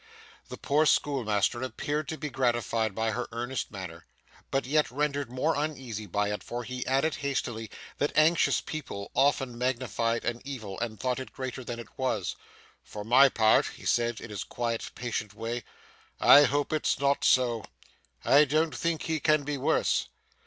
The poor schoolmaster appeared to be gratified by her earnest manner, but yet rendered more uneasy by it, for he added hastily that anxious people often magnified an evil and thought it greater than it was; 'for my part,' he said, in his quiet, patient way, 'I hope it's not so. I don't think he can be worse.